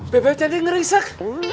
beb beb cantik ngerisek